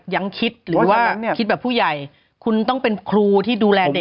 ยังคิดหรือว่าคิดแบบผู้ใหญ่คุณต้องเป็นครูที่ดูแลเด็ก